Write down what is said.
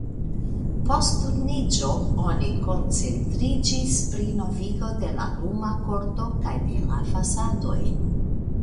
Post Turniĝo oni koncentriĝis pri novigo de la luma korto kaj de la fasadoj.